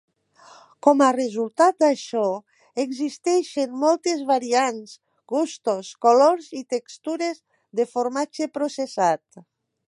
Com a resultat d'això, existeixen moltes variants, gustos, colors i textures de formatge processat.